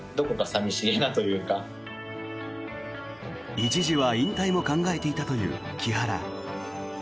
一時は引退も考えていたという木原。